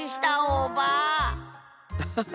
アハハ。